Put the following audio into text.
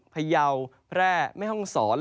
พยาวแพร่แม่ห้องศร